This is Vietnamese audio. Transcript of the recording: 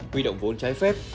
quy động vốn trái phép